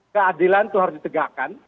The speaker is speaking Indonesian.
keadilan itu harus ditegakkan